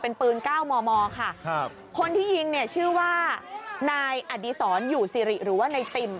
เป็นปืนเก้ามอมอค่ะครับคนที่ยิงเนี่ยชื่อว่านายอดีศรอยู่สิริหรือว่าในติม